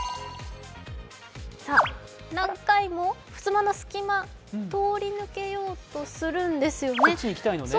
何回もふすまの隙間通り抜けようとするんですよね。